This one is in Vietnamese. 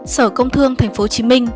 sở công thương tp hcm